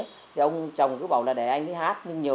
thì ông chồng cứ bảo là để anh đi hát